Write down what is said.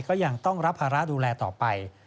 ก็ยังต้องรับภาระดูแลต่อไป